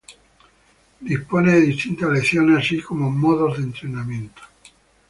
Dispone de distintas lecciones, así como modos de entrenamiento.